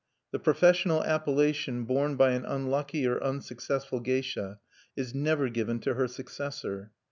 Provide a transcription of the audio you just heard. The professional appellation borne by an unlucky or unsuccessful geisha is never given to her successor.